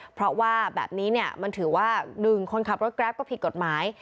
เพราะว่าแบบนี้เนี่ยมันถือว่า๑คนขับรถแกรปก็ผิดกฎหมาย